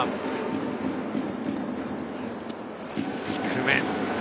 低め。